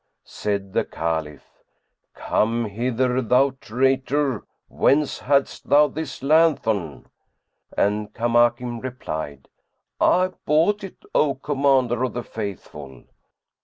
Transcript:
Said the Caliph, "Come hither, thou traitor: whence hadst thou this lanthorn?" and Kamakim replied, "I bought it, O Commander of the Faithful!"